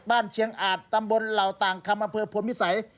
บ้านเชียงอาจตำบลเหล่าต่างคำน้ำเผลอพลมิสัย